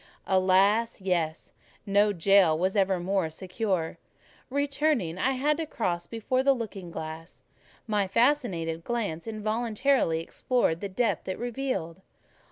Alas! yes: no jail was ever more secure. Returning, I had to cross before the looking glass; my fascinated glance involuntarily explored the depth it revealed.